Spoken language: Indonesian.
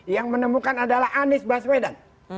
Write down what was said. yang menemukan adalah anies baswedan